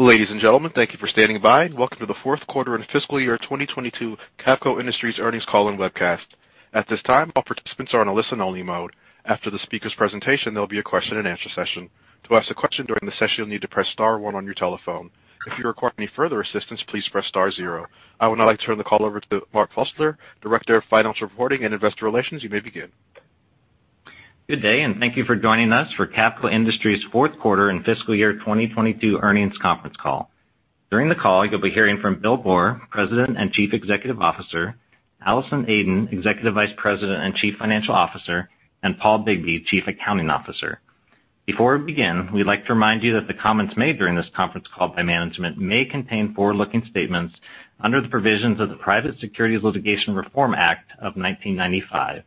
Ladies and gentlemen, thank you for standing by and welcome to the fourth quarter and fiscal year 2022 Cavco Industries Earnings Call and Webcast. At this time, all participants are in a listen-only mode. After the speaker's presentation, there'll be a question-and-answer session. To ask a question during the session, you'll need to press star one on your telephone. If you require any further assistance, please press star zero. I would now like to turn the call over to Mark Fusler, Director of Financial Reporting and Investor Relations. You may begin. Good day, and thank you for joining us for Cavco Industries fourth quarter and fiscal year 2022 earnings conference call. During the call, you'll be hearing from Bill Boor, President and Chief Executive Officer, Allison Aden, Executive Vice President and Chief Financial Officer, and Paul Bigbee, Chief Accounting Officer. Before we begin, we'd like to remind you that the comments made during this conference call by management may contain forward-looking statements under the provisions of the Private Securities Litigation Reform Act of 1995,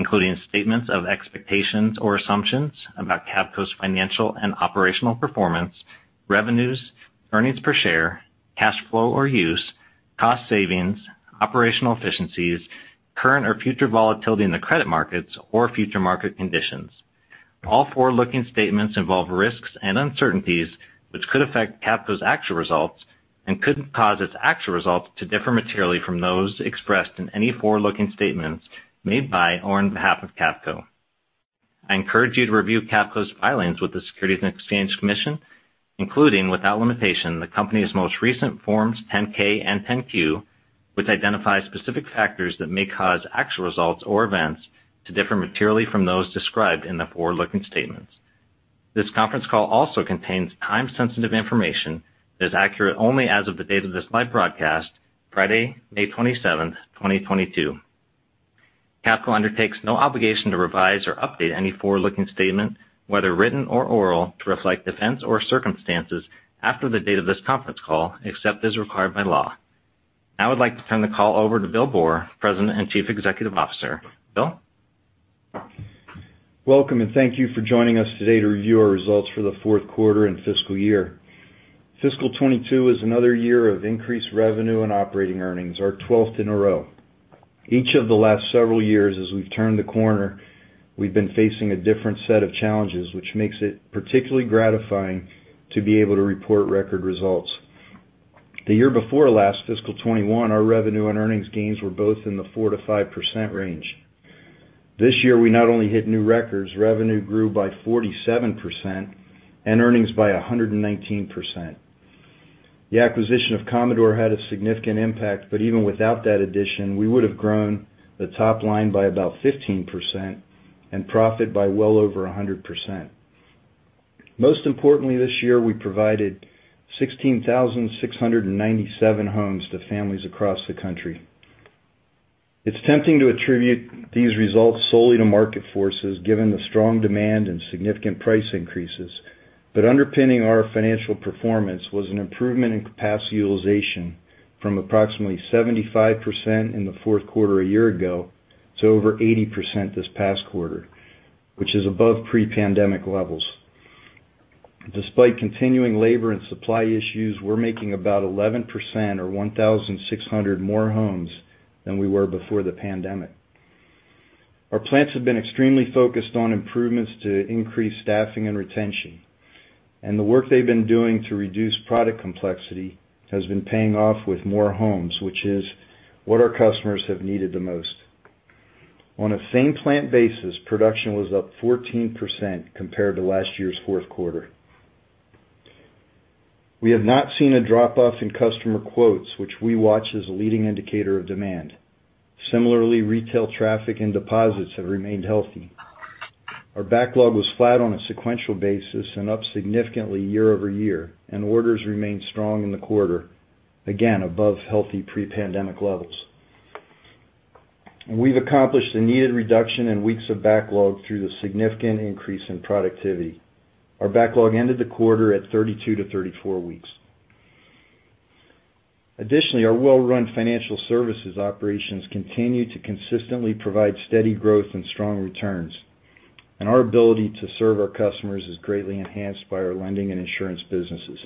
including statements of expectations or assumptions about Cavco's financial and operational performance, revenues, earnings per share, cash flow or use, cost savings, operational efficiencies, current or future volatility in the credit markets or future market conditions. All forward-looking statements involve risks and uncertainties which could affect Cavco's actual results and could cause its actual results to differ materially from those expressed in any forward-looking statements made by or on behalf of Cavco. I encourage you to review Cavco's filings with the Securities and Exchange Commission, including, without limitation, the company's most recent Forms 10-K and 10-Q, which identify specific factors that may cause actual results or events to differ materially from those described in the forward-looking statements. This conference call also contains time-sensitive information that is accurate only as of the date of this live broadcast, Friday, May 27, 2022. Cavco undertakes no obligation to revise or update any forward-looking statement, whether written or oral, to reflect events or circumstances after the date of this conference call, except as required by law. I would like to turn the call over to Bill Boor, President and Chief Executive Officer. Bill? Welcome, and thank you for joining us today to review our results for the fourth quarter and fiscal year. Fiscal 2022 is another year of increased revenue and operating earnings, our 12th in a row. Each of the last several years, as we've turned the corner, we've been facing a different set of challenges, which makes it particularly gratifying to be able to report record results. The year before last, fiscal 2021, our revenue and earnings gains were both in the 4%-5% range. This year, we not only hit new records, revenue grew by 47% and earnings by 119%. The acquisition of Commodore had a significant impact, but even without that addition, we would have grown the top line by about 15% and profit by well over 100%. Most importantly, this year, we provided 16,697 homes to families across the country. It's tempting to attribute these results solely to market forces, given the strong demand and significant price increases. Underpinning our financial performance was an improvement in capacity utilization from approximately 75% in the fourth quarter a year ago to over 80% this past quarter, which is above pre-pandemic levels. Despite continuing labor and supply issues, we're making about 11% or 1,600 more homes than we were before the pandemic. Our plants have been extremely focused on improvements to increase staffing and retention, and the work they've been doing to reduce product complexity has been paying off with more homes, which is what our customers have needed the most. On a same plant basis, production was up 14% compared to last year's fourth quarter. We have not seen a drop-off in customer quotes, which we watch as a leading indicator of demand. Similarly, retail traffic and deposits have remained healthy. Our backlog was flat on a sequential basis and up significantly year over year, and orders remained strong in the quarter, again, above healthy pre-pandemic levels. We've accomplished a needed reduction in weeks of backlog through the significant increase in productivity. Our backlog ended the quarter at 32-34 weeks. Additionally, our well-run financial services operations continue to consistently provide steady growth and strong returns, and our ability to serve our customers is greatly enhanced by our lending and insurance businesses.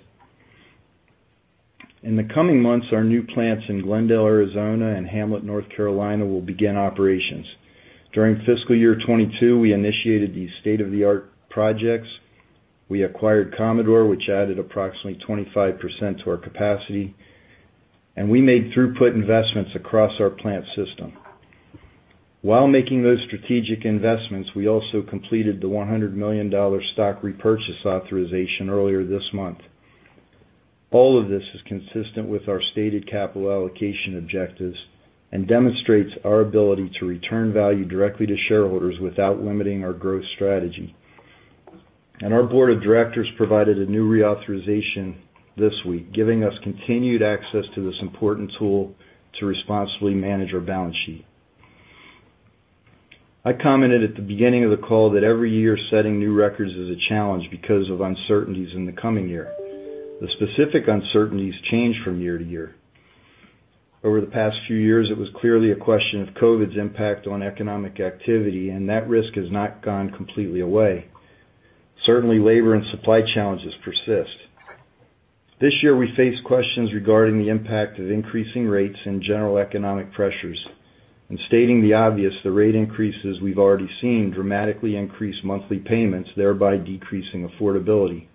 In the coming months, our new plants in Glendale, Arizona and Hamlet, North Carolina, will begin operations. During fiscal year 2022, we initiated these state-of-the-art projects. We acquired Commodore, which added approximately 25% to our capacity, and we made throughput investments across our plant system. While making those strategic investments, we also completed the $100 million stock repurchase authorization earlier this month. All of this is consistent with our stated capital allocation objectives and demonstrates our ability to return value directly to shareholders without limiting our growth strategy. Our board of directors provided a new reauthorization this week, giving us continued access to this important tool to responsibly manage our balance sheet. I commented at the beginning of the call that every year, setting new records is a challenge because of uncertainties in the coming year. The specific uncertainties change from year to year. Over the past few years, it was clearly a question of COVID's impact on economic activity, and that risk has not gone completely away. Certainly, labor and supply challenges persist. This year, we face questions regarding the impact of increasing rates and general economic pressures. In stating the obvious, the rate increases we've already seen dramatically increase monthly payments, thereby decreasing affordability.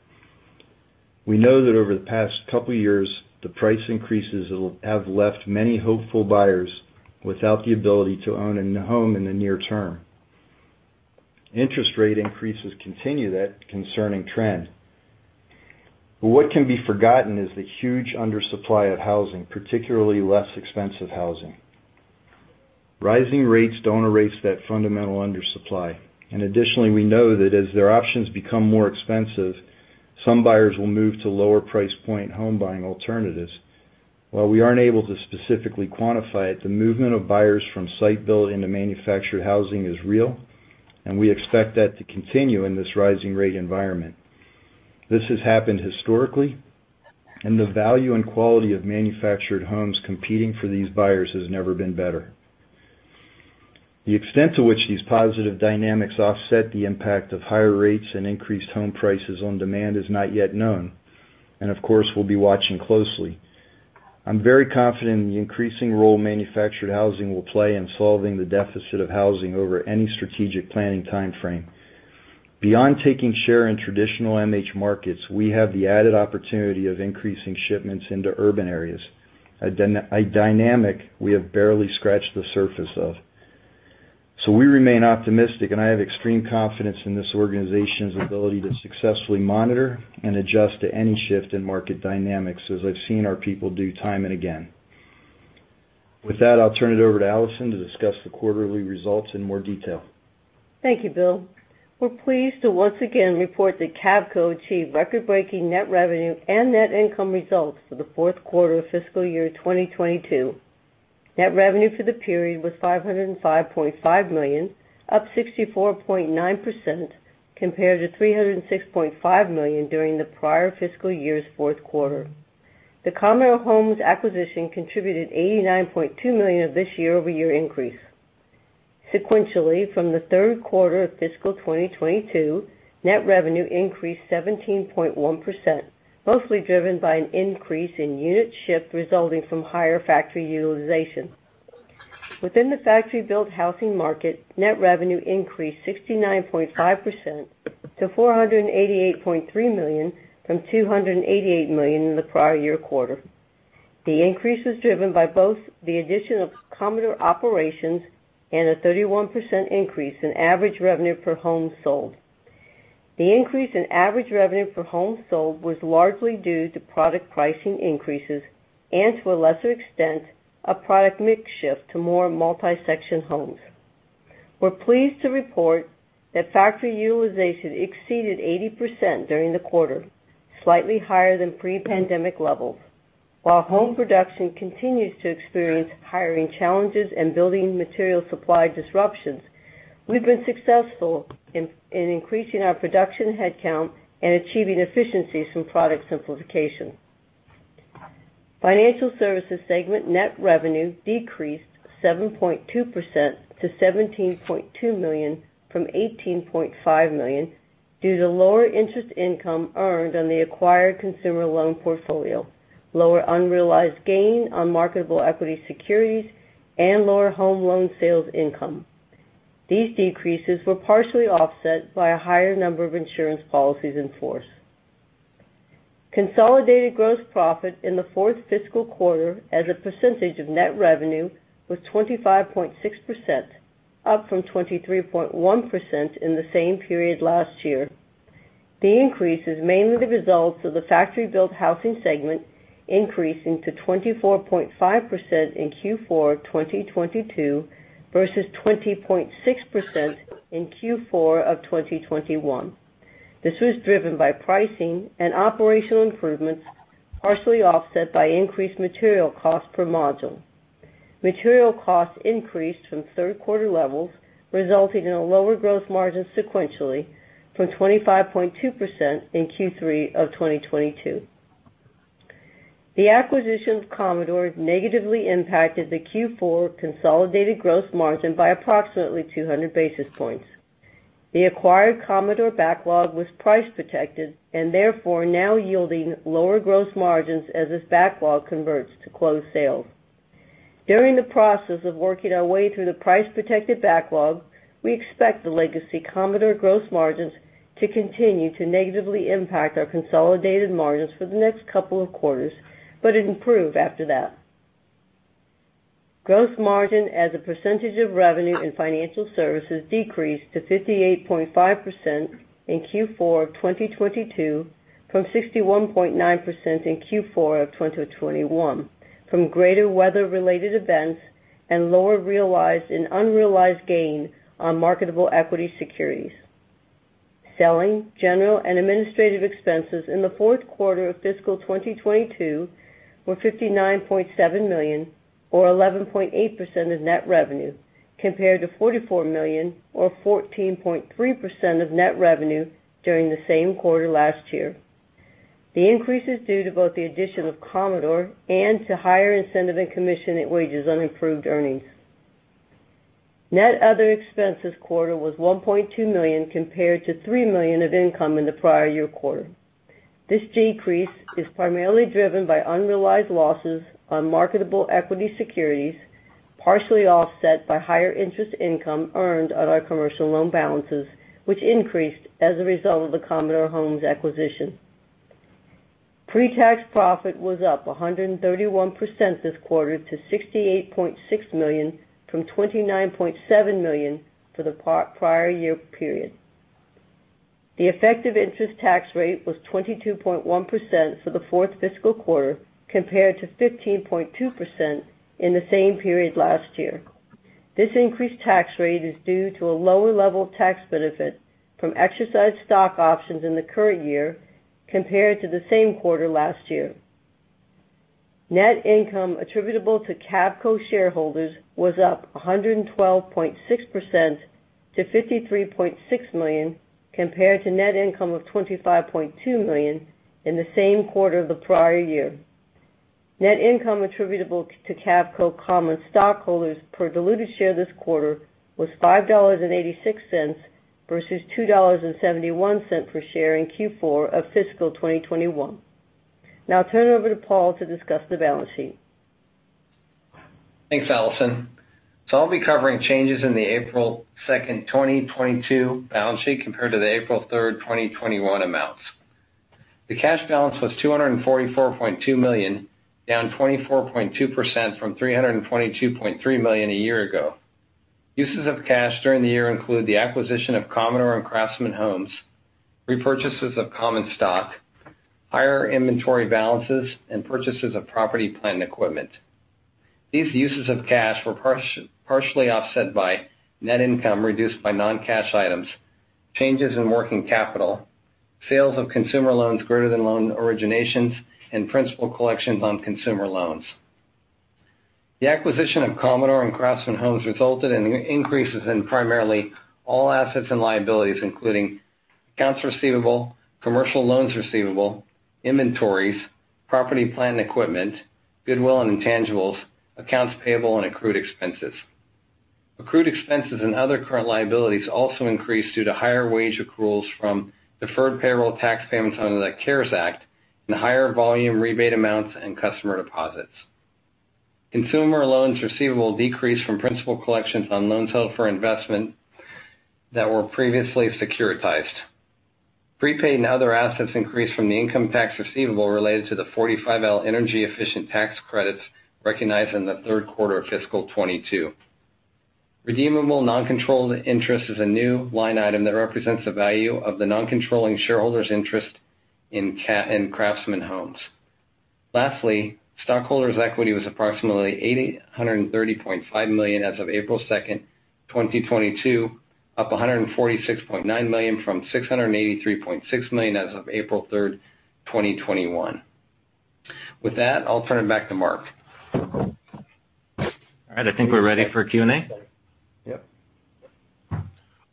We know that over the past couple years, the price increases will have left many hopeful buyers without the ability to own a new home in the near term. Interest rate increases continue that concerning trend. What can be forgotten is the huge undersupply of housing, particularly less expensive housing. Rising rates don't erase that fundamental undersupply. Additionally, we know that as their options become more expensive, some buyers will move to lower price point home buying alternatives. While we aren't able to specifically quantify it, the movement of buyers from site build into manufactured housing is real, and we expect that to continue in this rising rate environment. This has happened historically, and the value and quality of manufactured homes competing for these buyers has never been better. The extent to which these positive dynamics offset the impact of higher rates and increased home prices on demand is not yet known, and of course, we'll be watching closely. I'm very confident in the increasing role manufactured housing will play in solving the deficit of housing over any strategic planning timeframe. Beyond taking share in traditional MH markets, we have the added opportunity of increasing shipments into urban areas, a dynamic we have barely scratched the surface of. We remain optimistic, and I have extreme confidence in this organization's ability to successfully monitor and adjust to any shift in market dynamics as I've seen our people do time and again. With that, I'll turn it over to Allison to discuss the quarterly results in more detail. Thank you, Bill. We're pleased to once again report that Cavco achieved record-breaking net revenue and net income results for the fourth quarter of fiscal year 2022. Net revenue for the period was $505.5 million, up 64.9% compared to $306.5 million during the prior fiscal year's fourth quarter. The Commodore Homes acquisition contributed $89.2 million of this year-over-year increase. Sequentially, from the third quarter of fiscal 2022, net revenue increased 17.1%, mostly driven by an increase in units shipped resulting from higher factory utilization. Within the factory-built housing market, net revenue increased 69.5% to $488.3 million from $288 million in the prior year quarter. The increase was driven by both the addition of Commodore operations and a 31% increase in average revenue per home sold. The increase in average revenue per home sold was largely due to product pricing increases and, to a lesser extent, a product mix shift to more multi-section homes. We're pleased to report that factory utilization exceeded 80% during the quarter, slightly higher than pre-pandemic levels. While home production continues to experience hiring challenges and building material supply disruptions, we've been successful in increasing our production headcount and achieving efficiencies from product simplification. Financial services segment net revenue decreased 7.2% to $17.2 million from $18.5 million due to lower interest income earned on the acquired consumer loan portfolio, lower unrealized gain on marketable equity securities, and lower home loan sales income. These decreases were partially offset by a higher number of insurance policies in force. Consolidated gross profit in the fourth fiscal quarter as a percentage of net revenue was 25.6%, up from 23.1% in the same period last year. The increase is mainly the result of the factory-built housing segment increasing to 24.5% in Q4 2022 versus 20.6% in Q4 of 2021. This was driven by pricing and operational improvements, partially offset by increased material costs per module. Material costs increased from third quarter levels, resulting in a lower gross margin sequentially from 25.2% in Q3 of 2022. The acquisition of Commodore negatively impacted the Q4 consolidated gross margin by approximately 200 basis points. The acquired Commodore backlog was price protected and therefore now yielding lower gross margins as this backlog converts to closed sales. During the process of working our way through the price-protected backlog, we expect the legacy Commodore gross margins to continue to negatively impact our consolidated margins for the next couple of quarters, but improve after that. Gross margin as a percentage of revenue in financial services decreased to 58.5% in Q4 of 2022 from 61.9% in Q4 of 2021, from greater weather-related events and lower realized and unrealized gain on marketable equity securities. Selling, general, and administrative expenses in the fourth quarter of fiscal 2022 were $59.7 million or 11.8% of net revenue, compared to $44 million or 14.3% of net revenue during the same quarter last year. The increase is due to both the addition of Commodore and to higher incentive and commission wages on improved earnings. Net other expenses quarter was $1.2 million compared to $3 million of income in the prior year quarter. This decrease is primarily driven by unrealized losses on marketable equity securities, partially offset by higher interest income earned on our commercial loan balances, which increased as a result of the Commodore Homes acquisition. Pre-tax profit was up 131% this quarter to $68.6 million from $29.7 million for the prior year period. The effective interest tax rate was 22.1% for the fourth fiscal quarter compared to 15.2% in the same period last year. This increased tax rate is due to a lower level of tax benefit from exercised stock options in the current year compared to the same quarter last year. Net income attributable to Cavco shareholders was up 112.6% to $53.6 million, compared to net income of $25.2 million in the same quarter of the prior year. Net income attributable to Cavco common stockholders per diluted share this quarter was $5.86 versus $2.71 cents per share in Q4 of fiscal 2021. Now I'll turn it over to Paul to discuss the balance sheet. Thanks, Allison. I'll be covering changes in the April 2, 2022 balance sheet compared to the April 3, 2021 amounts. The cash balance was $244.2 million, down 24.2% from $322.3 million a year ago. Uses of cash during the year include the acquisition of Commodore and Craftsman Homes, repurchases of common stock, higher inventory balances, and purchases of property, plant, and equipment. These uses of cash were partially offset by net income reduced by non-cash items, changes in working capital, sales of consumer loans greater than loan originations, and principal collections on consumer loans. The acquisition of Commodore and Craftsman Homes resulted in increases in primarily all assets and liabilities, including accounts receivable, commercial loans receivable, inventories, property, plant, and equipment, goodwill and intangibles, accounts payable, and accrued expenses. Accrued expenses and other current liabilities also increased due to higher wage accruals from deferred payroll tax payments under the CARES Act and higher volume rebate amounts and customer deposits. Consumer loans receivable decreased from principal collections on loans held for investment that were previously securitized. Prepaid and other assets increased from the income tax receivable related to the 45L energy efficient tax credits recognized in the third quarter of fiscal 2022. Redeemable non-controlled interest is a new line item that represents the value of the non-controlling shareholder's interest in Craftsman Homes. Stockholders' equity was approximately $830.5 million as of April 2, 2022, up $146.9 million from $683.6 million as of April 3, 2021. With that, I'll turn it back to Mark. All right. I think we're ready for Q&A. Yep.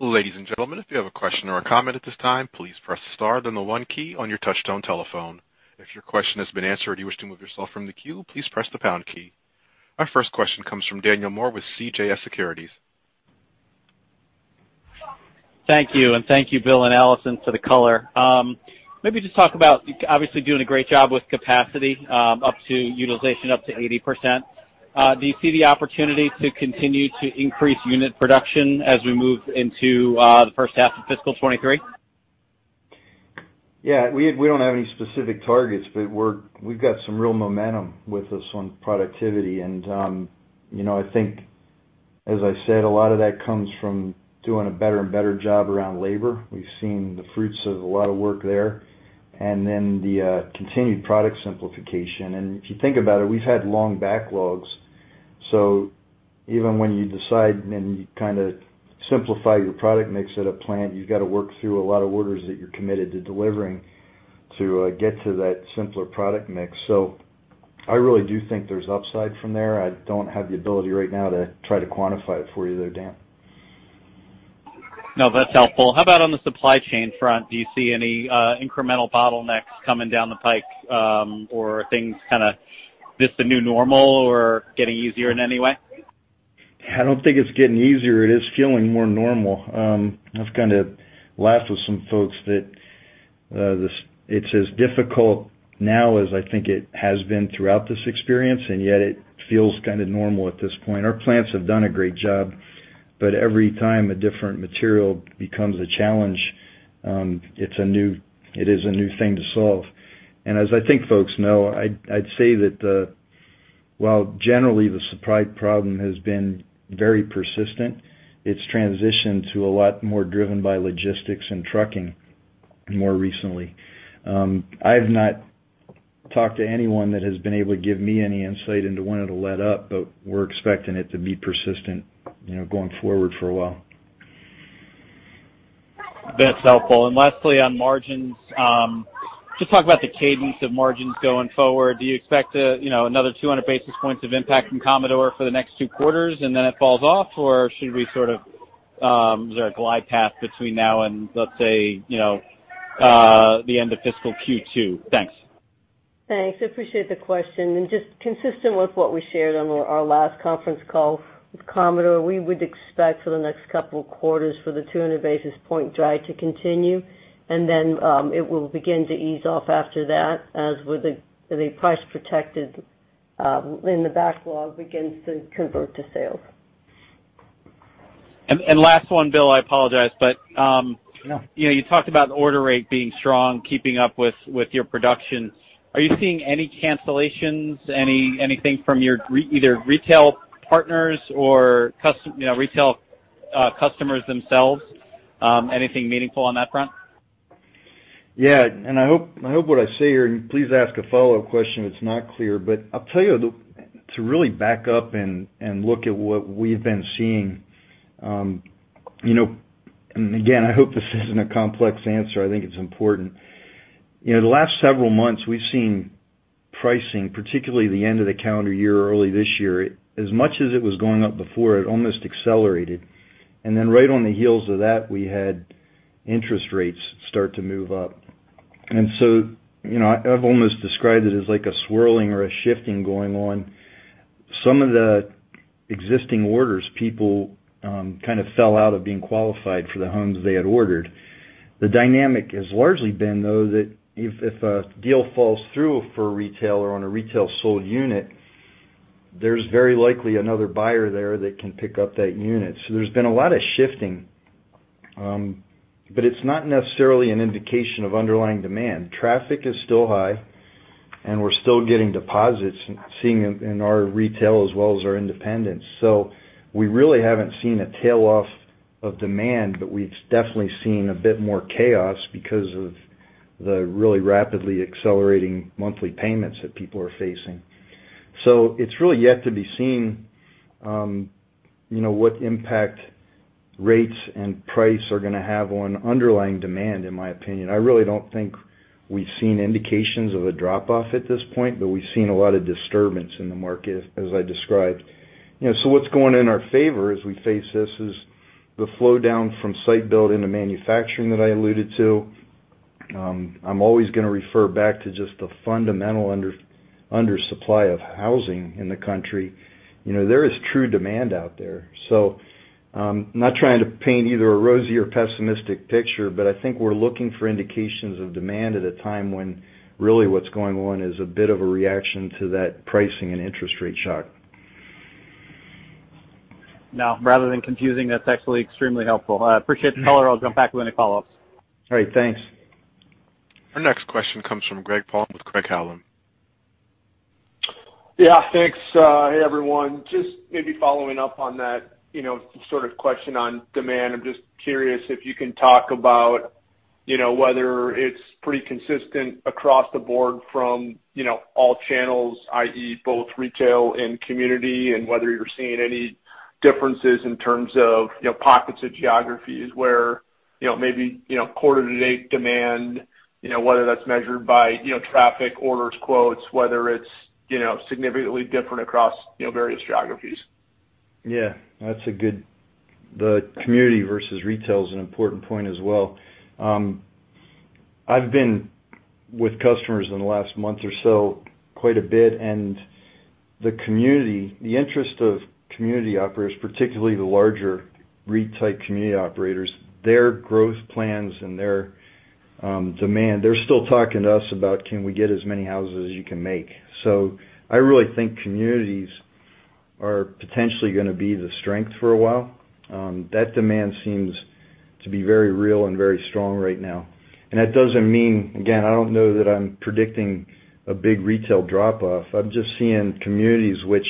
Ladies and gentlemen, if you have a question or a comment at this time, please press star, then the one key on your touchtone telephone. If your question has been answered or you wish to move yourself from the queue, please press the pound key. Our first question comes from Daniel Moore with CJS Securities. Thank you. Thank you, Bill and Allison, for the color. Maybe just talk about, obviously doing a great job with capacity utilization up to 80%. Do you see the opportunity to continue to increase unit production as we move into the first half of fiscal 2023? Yeah, we don't have any specific targets, but we've got some real momentum with us on productivity. You know, I think as I said, a lot of that comes from doing a better and better job around labor. We've seen the fruits of a lot of work there. The continued product simplification. If you think about it, we've had long backlogs. Even when you decide and you kinda simplify your product mix at a plant, you've got to work through a lot of orders that you're committed to delivering to get to that simpler product mix. I really do think there's upside from there. I don't have the ability right now to try to quantify it for you, though, Dan. No, that's helpful. How about on the supply chain front? Do you see any incremental bottlenecks coming down the pike, or are things kinda just the new normal or getting easier in any way? I don't think it's getting easier. It is feeling more normal. I've kinda laughed with some folks that it's as difficult now as I think it has been throughout this experience, and yet it feels kind of normal at this point. Our plants have done a great job, but every time a different material becomes a challenge, it is a new thing to solve. As I think folks know, I'd say that, while generally the supply problem has been very persistent, it's transitioned to a lot more driven by logistics and trucking more recently. I've not talked to anyone that has been able to give me any insight into when it'll let up, but we're expecting it to be persistent, you know, going forward for a while. That's helpful. Lastly, on margins, just talk about the cadence of margins going forward. Do you expect, you know, another 200 basis points of impact from Commodore for the next two quarters and then it falls off, or should we sort of, is there a glide path between now and, let's say, you know, the end of fiscal Q2? Thanks. Thanks. I appreciate the question. Just consistent with what we shared on our last conference call with Commodore, we would expect for the next couple of quarters for the 200 basis points drag to continue, and then it will begin to ease off after that as with the price protection when the backlog begins to convert to sales. last one, Bill, I apologize. No You know, you talked about order rate being strong, keeping up with your production. Are you seeing any cancellations, anything from your either retail partners or you know, retail customers themselves? Anything meaningful on that front? Yeah. I hope what I say here, and please ask a follow-up question if it's not clear. I'll tell you, to really back up and look at what we've been seeing, you know, and again, I hope this isn't a complex answer. I think it's important. You know, the last several months, we've seen pricing, particularly the end of the calendar year, early this year, as much as it was going up before, it almost accelerated. Then right on the heels of that, we had interest rates start to move up. You know, I've almost described it as like a swirling or a shifting going on. Some of the existing orders, people kind of fell out of being qualified for the homes they had ordered. The dynamic has largely been, though, that if a deal falls through for a retailer on a retail sold unit, there's very likely another buyer there that can pick up that unit. There's been a lot of shifting, but it's not necessarily an indication of underlying demand. Traffic is still high, and we're still getting deposits and seeing in our retail as well as our independents. We really haven't seen a tail-off of demand, but we've definitely seen a bit more chaos because of the really rapidly accelerating monthly payments that people are facing. It's really yet to be seen, you know, what impact rates and price are gonna have on underlying demand, in my opinion. I really don't think we've seen indications of a drop-off at this point, but we've seen a lot of disturbance in the market as I described. You know, what's going in our favor as we face this is the flow down from site build into manufacturing that I alluded to. I'm always gonna refer back to just the fundamental undersupply of housing in the country. You know, there is true demand out there. Not trying to paint either a rosy or pessimistic picture, but I think we're looking for indications of demand at a time when really what's going on is a bit of a reaction to that pricing and interest rate shock. No. Rather than confusing, that's actually extremely helpful. I appreciate the color. I'll jump back with any follow-ups. All right. Thanks. Our next question comes from Greg Palm with Craig-Hallum. Yeah, thanks. Hey, everyone. Just maybe following up on that, you know, sort of question on demand. I'm just curious if you can talk about, you know, whether it's pretty consistent across the board from, you know, all channels, i.e. both retail and community, and whether you're seeing any differences in terms of, you know, pockets of geographies where, you know, maybe, you know, quarter to date demand, you know, whether that's measured by, you know, traffic orders, quotes, whether it's, you know, significantly different across, you know, various geographies. Yeah, that's a good. The community versus retail is an important point as well. I've been with customers in the last month or so quite a bit, and the community, the interest of community operators, particularly the larger REIT-type community operators, their growth plans and their demand, they're still talking to us about can we get as many houses as you can make. I really think communities are potentially gonna be the strength for a while. That demand seems to be very real and very strong right now. That doesn't mean, again, I don't know that I'm predicting a big retail drop-off. I'm just seeing communities which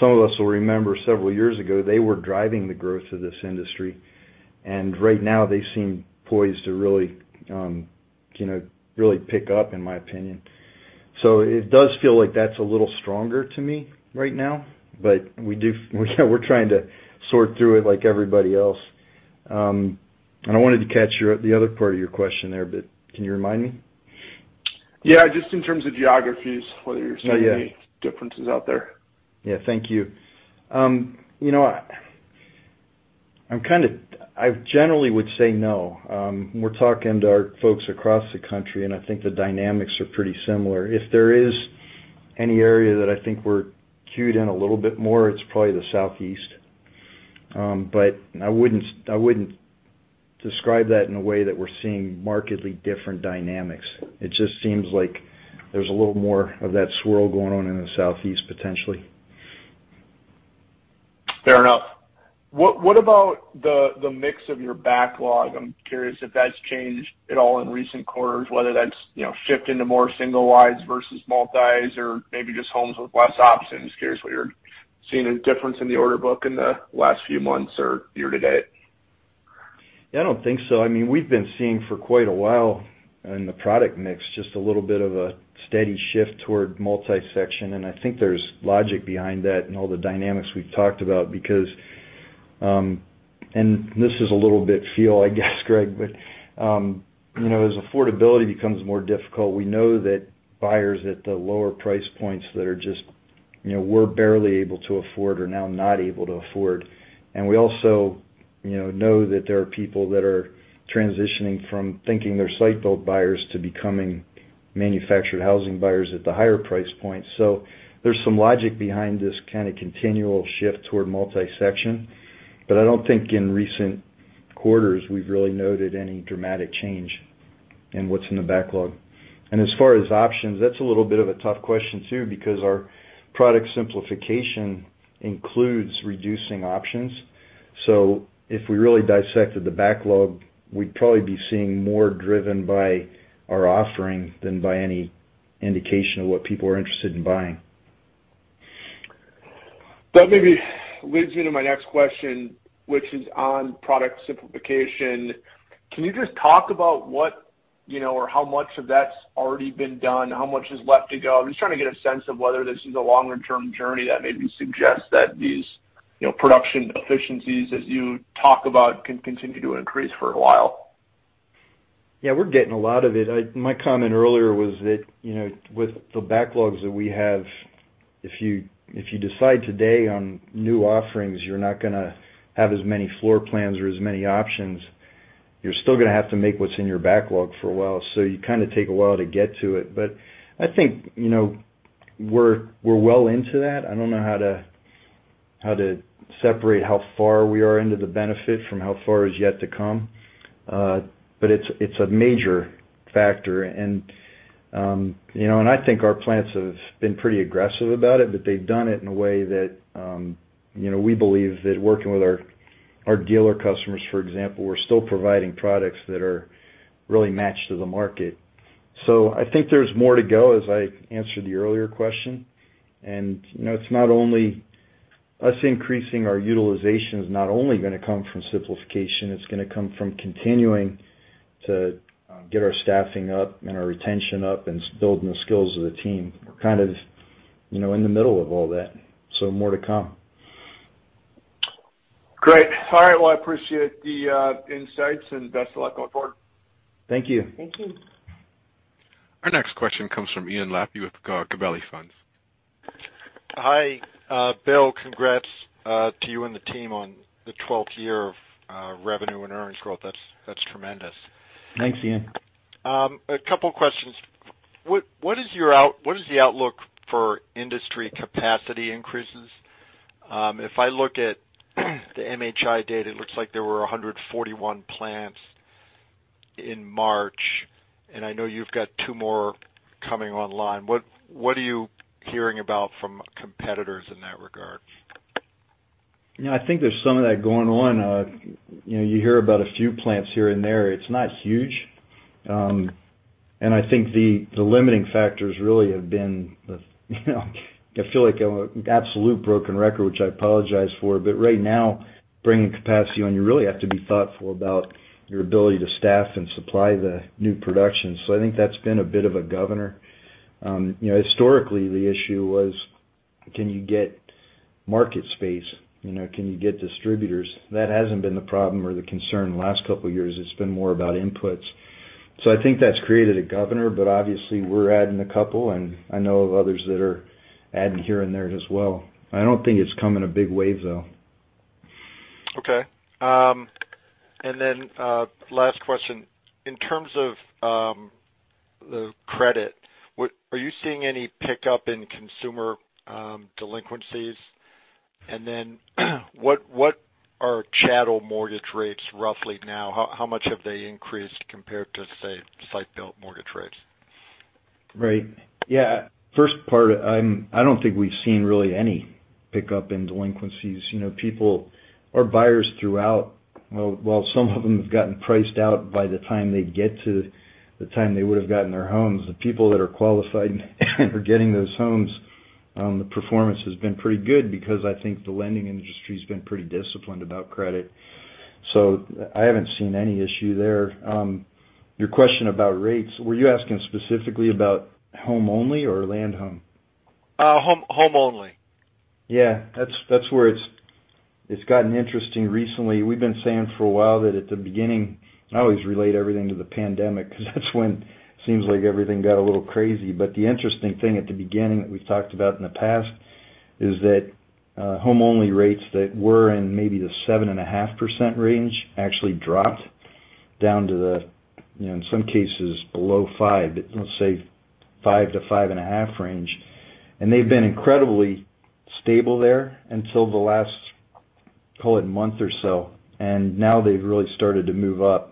some of us will remember several years ago, they were driving the growth of this industry. Right now they seem poised to really you know really pick up, in my opinion. It does feel like that's a little stronger to me right now, but we do, we're trying to sort through it like everybody else. I wanted to catch the other part of your question there, but can you remind me? Yeah, just in terms of geographies, whether you're seeing? Yeah. Any differences out there? Yeah, thank you. You know, I generally would say no. We're talking to our folks across the country, and I think the dynamics are pretty similar. If there is any area that I think we're cued in a little bit more, it's probably the Southeast. I wouldn't describe that in a way that we're seeing markedly different dynamics. It just seems like there's a little more of that swirl going on in the Southeast, potentially. Fair enough. What about the mix of your backlog? I'm curious if that's changed at all in recent quarters, whether that's, you know, shift into more single wides versus multis or maybe just homes with less options. Curious whether you're seeing a difference in the order book in the last few months or year to date. Yeah, I don't think so. I mean, we've been seeing for quite a while in the product mix, just a little bit of a steady shift toward multi-section, and I think there's logic behind that and all the dynamics we've talked about because this is a little bit feel, I guess, Greg, but you know, as affordability becomes more difficult, we know that buyers at the lower price points that are just, you know, were barely able to afford or now not able to afford. We also, you know that there are people that are transitioning from thinking they're site-built buyers to becoming manufactured housing buyers at the higher price point. So there's some logic behind this kinda continual shift toward multi-section. But I don't think in recent quarters we've really noted any dramatic change in what's in the backlog. As far as options, that's a little bit of a tough question too, because our product simplification includes reducing options. If we really dissected the backlog, we'd probably be seeing more driven by our offering than by any indication of what people are interested in buying. That maybe leads me to my next question, which is on product simplification. Can you just talk about what, you know, or how much of that's already been done? How much is left to go? I'm just trying to get a sense of whether this is a longer-term journey that maybe suggests that these, you know, production efficiencies, as you talk about, can continue to increase for a while. Yeah, we're getting a lot of it. My comment earlier was that, you know, with the backlogs that we have, if you decide today on new offerings, you're not gonna have as many floor plans or as many options. You're still gonna have to make what's in your backlog for a while, so you kinda take a while to get to it, but I think, you know, we're well into that. I don't know how to separate how far we are into the benefit from how far is yet to come, but it's a major factor. You know, and I think our plants have been pretty aggressive about it, but they've done it in a way that, you know, we believe that working with our dealer customers, for example, we're still providing products that are really matched to the market. I think there's more to go, as I answered the earlier question. You know, it's not only us increasing our utilization is not only gonna come from simplification, it's gonna come from continuing to get our staffing up and our retention up and building the skills of the team. We're kind of, you know, in the middle of all that, so more to come. Great. All right. Well, I appreciate the insights, and best of luck going forward. Thank you. Thank you. Our next question comes from Ian Lapey with Gabelli Funds. Hi. Bill, congrats to you and the team on the twelfth year of revenue and earnings growth. That's tremendous. Thanks, Ian. A couple questions. What is the outlook for industry capacity increases? If I look at the MHI data, it looks like there were 141 plants in March, and I know you've got two more coming online. What are you hearing about from competitors in that regard? You know, I think there's some of that going on. You know, you hear about a few plants here and there, It's not huge. I think the limiting factors really have been. I feel like I'm an absolute broken record, which I apologize for, but right now, bringing capacity on, you really have to be thoughtful about your ability to staff and supply the new production. I think that's been a bit of a governor. You know, historically, the issue was, can you get market space. You know, can you get distributors. That hasn't been the problem or the concern the last couple years. It's been more about inputs. I think that's created a governor, but obviously, we're adding a couple, and I know of others that are adding here and there as well. I don't think it's come in a big wave, though. Okay. Last question. In terms of the credit, what are you seeing any pickup in consumer delinquencies? What are chattel mortgage rates roughly now? How much have they increased compared to, say, site-built mortgage rates? Right. Yeah. First part, I don't think we've seen really any pickup in delinquencies. You know, people or buyers throughout, while some of them have gotten priced out by the time they get to the time they would've gotten their homes, the people that are qualified and are getting those homes, the performance has been pretty good because I think the lending industry's been pretty disciplined about credit. I haven't seen any issue there. Your question about rates, were you asking specifically about home only or land home? Home only. That's where it's gotten interesting recently. We've been saying for a while that at the beginning I always relate everything to the pandemic 'cause that's when it seems like everything got a little crazy. The interesting thing at the beginning that we've talked about in the past is that home only rates that were in maybe the 7.5% range actually dropped down to the, you know, in some cases below 5%, but let's say 5%-5.5% range. They've been incredibly stable there until the last, call it, month or so, and now they've really started to move up.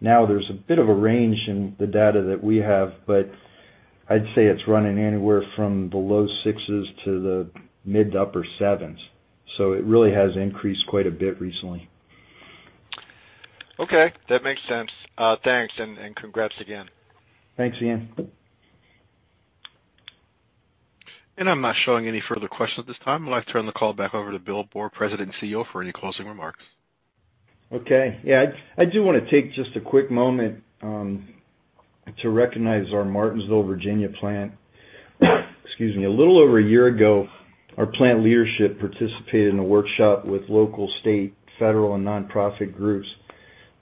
Now there's a bit of a range in the data that we have, but I'd say it's running anywhere from the low 6s% to the mid- to upper 7s%. It really has increased quite a bit recently. Okay. That makes sense. Thanks, and congrats again. Thanks, Ian. I'm not showing any further questions at this time. I'd like to turn the call back over to Bill Boor, President and CEO, for any closing remarks. I do want to take just a quick moment to recognize our Martinsville, Virginia plant. Excuse me. A little over a year ago, our plant leadership participated in a workshop with local, state, federal, and nonprofit groups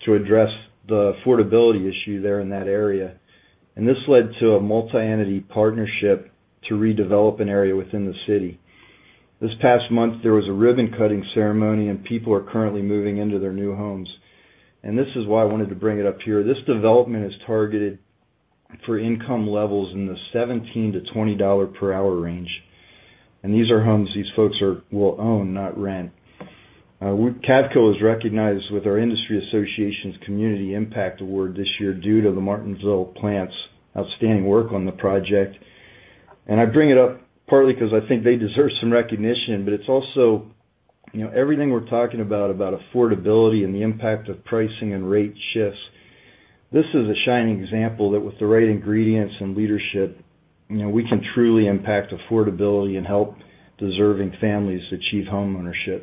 to address the affordability issue there in that area, and this led to a multi-entity partnership to redevelop an area within the city. This past month, there was a ribbon-cutting ceremony, and people are currently moving into their new homes. This is why I wanted to bring it up here. This development is targeted for income levels in the $17-$20 per hour range, and these are homes these folks will own, not rent. Cavco was recognized with our industry association's Community Impact Award this year due to the Martinsville plant's outstanding work on the project. I bring it up partly 'cause I think they deserve some recognition, but it's also, you know, everything we're talking about affordability and the impact of pricing and rate shifts. This is a shining example that with the right ingredients and leadership, you know, we can truly impact affordability and help deserving families achieve homeownership.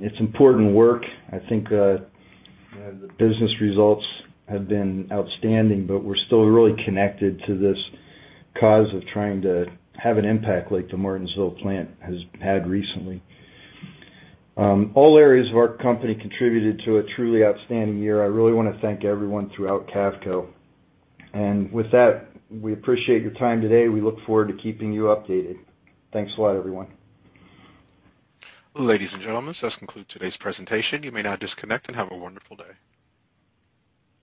It's important work. I think the business results have been outstanding, but we're still really connected to this cause of trying to have an impact like the Martinsville plant has had recently. All areas of our company contributed to a truly outstanding year. I really wanna thank everyone throughout Cavco. With that, we appreciate your time today. We look forward to keeping you updated. Thanks a lot, everyone. Ladies and gentlemen, this does conclude today's presentation. You may now disconnect, and have a wonderful day.